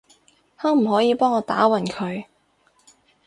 可唔可以幫我打暈佢？